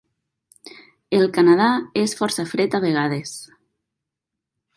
El Canadà és força fred a vegades.